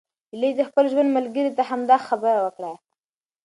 ایلي د خپل ژوند ملګری ته همدا خبره وکړه.